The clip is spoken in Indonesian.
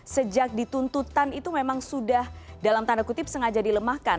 sejak dituntutan itu memang sudah dalam tanda kutip sengaja dilemahkan